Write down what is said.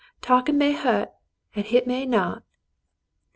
Talkin' may hurt, an' hit may not."